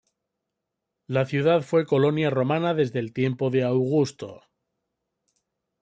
La ciudad fue colonia romana desde el tiempo de Augusto.